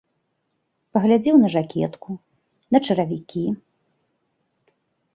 Паглядзеў на жакетку, на чаравікі.